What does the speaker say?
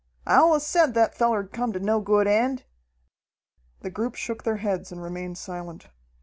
"I allus said that feller'd come to no good end." The group shook their heads and remained silent.